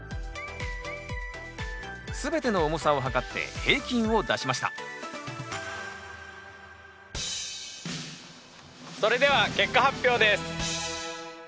全ての重さを量って平均を出しましたそれでは結果発表です。